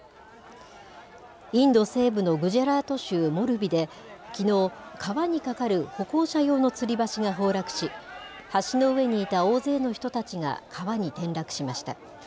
インド西部のグジャラート州モルビで、きのう、川にかかる歩行者用のつり橋が崩落し、橋の上にいた大勢の人たちが川に転落しました。